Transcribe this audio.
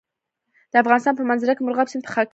د افغانستان په منظره کې مورغاب سیند ښکاره ده.